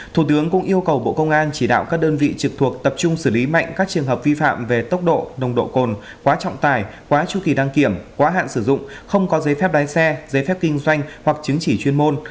thủ tướng cũng yêu cầu bộ công an chỉ đạo các đơn vị trực thuộc tập trung xử lý mạnh các trường hợp vi phạm về tốc độ nồng độ cồn quá trọng tài quá chu kỳ đăng kiểm quá hạn sử dụng không có giấy phép lái xe giấy phép kinh doanh hoặc chứng chỉ chuyên môn